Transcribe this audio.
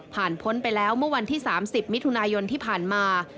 พ้นไปแล้วเมื่อวันที่๓๐มิถุนายนที่ผ่านมา